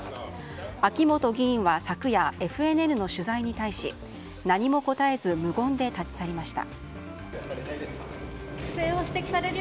秋本議員は昨夜ＦＮＮの取材に対し何も答えず無言で立ち去りました。